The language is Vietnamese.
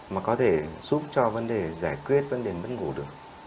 mà có thể giúp cho vấn đề giải quyết vấn đề mất ngủ được